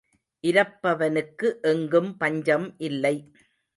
இரப்பவனுக்கு எங்கும் பஞ்சம் இல்லை.